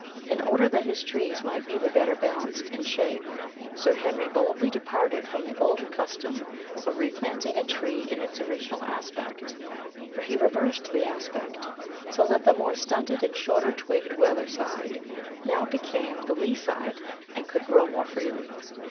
In order that his trees might be the better balanced in shape, Sir Henry boldly departed from the older custom of replanting a tree in its original aspect, for he reversed the aspect, so that the more stunted and shorter twigged weather side now became the lee side, and could grow more freely.